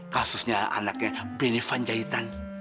kasusnya anaknya benny vanjaitan